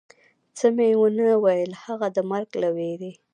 څه مې و نه ویل، هغه د مرګ له وېرې.